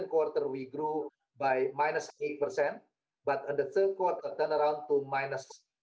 dua pikiran yang berbeda di dalam pikiran pada saat yang sama